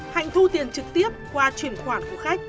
hạnh thu tiền trực tiếp qua chuyển khoản của khách